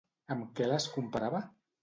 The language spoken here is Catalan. Amb què les comparava?